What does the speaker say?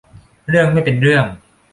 เรื่องไม่เป็นเรื่อง